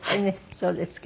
そうですか。